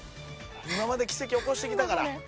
今まで奇跡起こしてきたから。